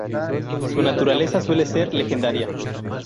Su naturaleza suele ser legendaria.